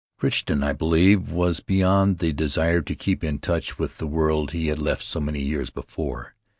Crichton, I believe, was beyond the desire to keep in touch with the world he had left so many years before.